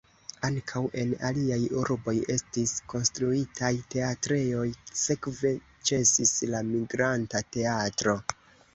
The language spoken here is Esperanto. Ankaŭ en aliaj urboj estis konstruitaj teatrejoj, sekve ĉesis la migranta teatro.